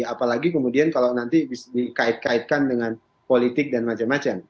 apalagi kemudian kalau nanti bisa dikait kaitkan dengan politik dan macam macam